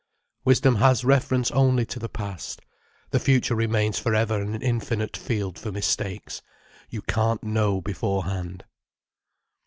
Wisdom has reference only to the past. The future remains for ever an infinite field for mistakes. You can't know beforehand.